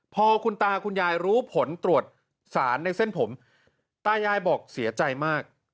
พอคุณตาคุณยายรู้ผลตรวจสารในเส้นผมตายายบอกเสียใจมาก